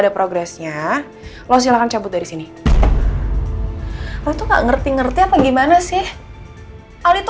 ada progresnya lo silahkan cabut dari sini lu tuh nggak ngerti ngerti apa gimana sih ali tuh